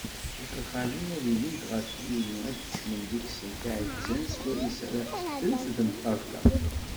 Tixelxalin ad ilint ɣef yiri, ad kecmen deg-sent iɛekkzan swayes ara treffdem ṭṭabla.